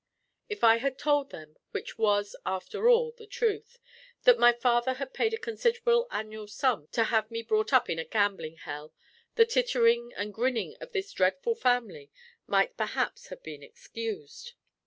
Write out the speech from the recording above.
If I had told them (what was after all the truth) that my father had paid a considerable annual sum to have me brought up in a gambling hell, the tittering and grinning of this dreadful family might perhaps have been excused.